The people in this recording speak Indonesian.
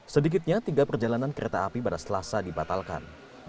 sedikitnya tiga perjalanan kereta api pada selasa dibatalkan